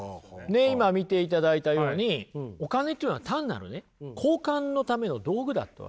ねっ今見ていただいたようにお金っていうのは単なるね交換のための道具だったわけですよ。